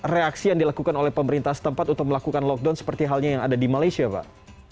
reaksi yang dilakukan oleh pemerintah setempat untuk melakukan lockdown seperti halnya yang ada di malaysia pak